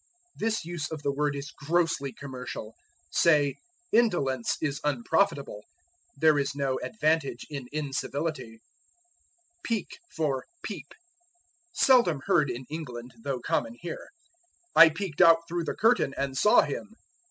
This use of the word is grossly commercial. Say, Indolence is unprofitable. There is no advantage in incivility. Peek for Peep. Seldom heard in England, though common here. "I peeked out through the curtain and saw him."